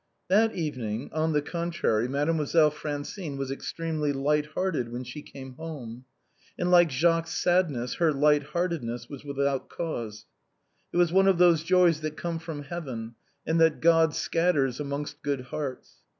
That evening, on the contrary. Mademoiselle Francine was extremely light hearted when she came home, and, like Jacques's sadness, her light heartedness was without cause, it was one of those joys that come from heaven, and that God scatters amongst good hearts.